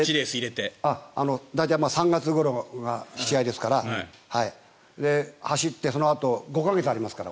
大体３月ごろが試合ですから走ってそのあと５か月ありますから。